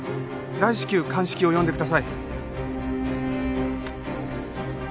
大至急鑑識を呼んでください。